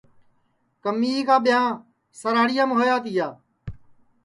کمیے کا ٻیاں سراہڑیام ہویا تیا